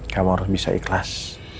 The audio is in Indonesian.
kamu harus bisa ikhlas